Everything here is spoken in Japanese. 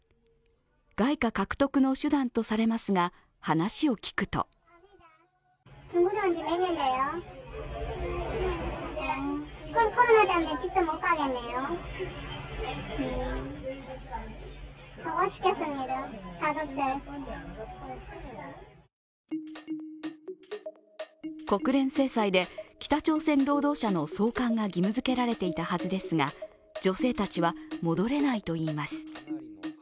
外貨獲得の手段とされますが、話を聞くと国連制裁で、北朝鮮労働者の送還が義務づけられていたはずですが女性たちは戻れないといいます。